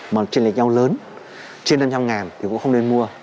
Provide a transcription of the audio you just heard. mà trên lệch nhau lớn trên năm trăm linh ngàn thì cũng không nên mua